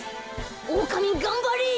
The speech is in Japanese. オオカミがんばれ。